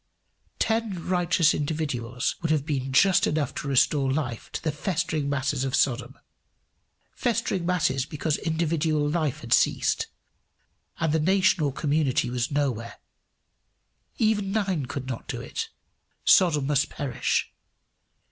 Ten righteous individuals would have been just enough to restore life to the festering masses of Sodom festering masses because individual life had ceased, and the nation or community was nowhere. Even nine could not do it: Sodom must perish.